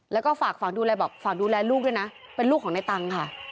แล้วก็ฝากดูแลลูกด้วยนะเป็นลูกของนายตังค่ะ